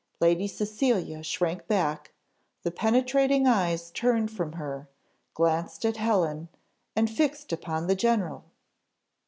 Lady Cecilia shrank back. The penetrating eyes turned from her, glanced at Helen, and fixed upon the general.